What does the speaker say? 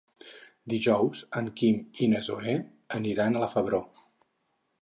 Dijous en Quim i na Zoè aniran a la Febró.